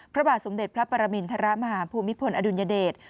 พระบาทสมเด็จพระปรมินทรมาฮภูมิพลอดุลยเดช